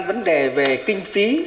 vấn đề về kinh phí